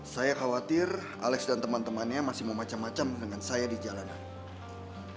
saya khawatir alex dan teman temannya masih mau macam macam dengan saya di jalanan